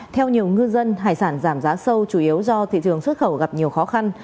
theo nhiều ngư dân hải sản giảm giá sâu chủ yếu do thị trường xuất khẩu gặp nhiều khó khăn